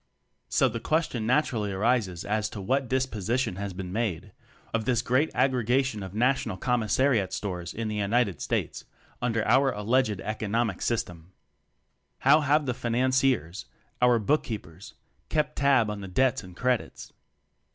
So the question naturally arises as to what disposition has been made of this great aggregation of National Commissariat Stores in the United States under our alleged "economic" system? How have the "Financiers" our book keepers kept tab on the "debits and credits"?